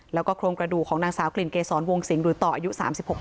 แล้วก็โครงกระดูกของนางสาวกลิ่นเกษรวงสิงห์หรือต่ออายุ๓๖ปี